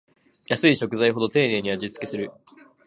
安い食材ほど丁寧に味つけする